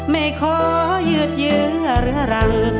ไม่ขอยืดเยื้อเรื้อรัง